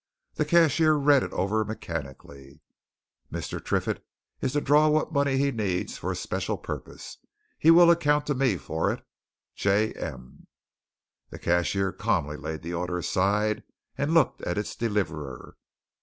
The cashier read it over mechanically. "Mr. Triffitt is to draw what money he needs for a special purpose. He will account to me for it. J. M." The cashier calmly laid the order aside and looked at its deliverer.